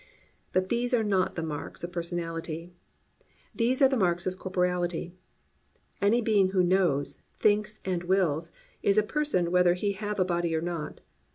But these are not the marks of personality, these are the marks of corporeity. Any being who knows, thinks and wills is a person whether he have a body or not.